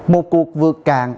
một cuộc vượt cạn